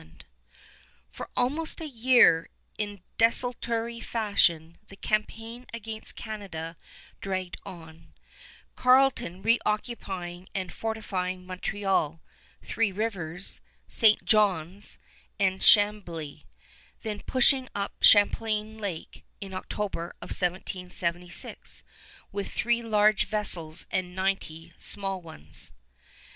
[Illustration: BENEDICT ARNOLD] For almost a year, in desultory fashion, the campaign against Canada dragged on, Carleton reoccupying and fortifying Montreal, Three Rivers, St. John's, and Chamby, then pushing up Champlain Lake in October of 1776, with three large vessels and ninety small ones.